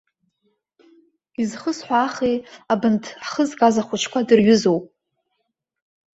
Изхысҳәаахи, абанҭ ҳхы згаз ахәыҷқәа дырҩызоуп.